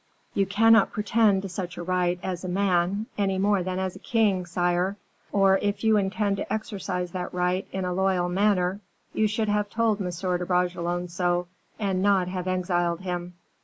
"You cannot pretend to such a right as a man any more than as a king, sire; or if you intend to exercise that right in a loyal manner, you should have told M. de Bragelonne so, and not have exiled him."